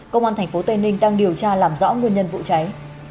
công an tp tây ninh đang điều tra làm rõ nguyên nhân vụ cháy